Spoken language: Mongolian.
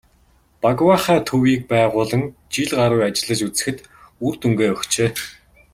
"Багваахай" төвийг байгуулан жил гаруй ажиллаж үзэхэд үр дүнгээ өгчээ.